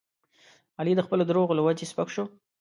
علي د خپلو دروغو له وجې سپک شو.